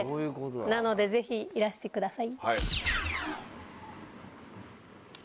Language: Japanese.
なのでぜひいらしてください。